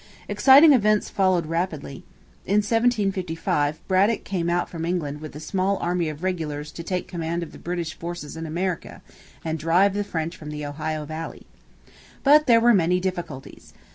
Exciting events followed rapidly. In 1755 Braddock came out from England with a small army of regulars to take command of the British forces in America and drive the French from the Ohio valley. But there were many difficulties.